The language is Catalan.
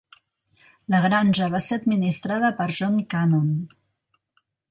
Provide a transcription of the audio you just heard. La granja va ser administrada per John Cannon.